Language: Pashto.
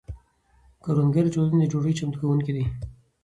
کروندګر د ټولنې د ډوډۍ چمتو کونکي دي.